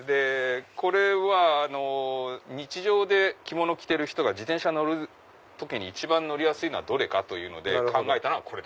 これは日常で着物着てる人が自転車に乗る時に一番乗りやすいのはどれかと考えたのがこれ。